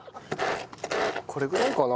これぐらいかな？